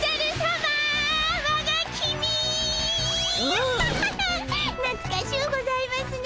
アハハハッなつかしゅうございますね